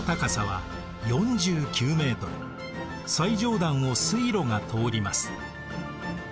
最上段を水路が通ります。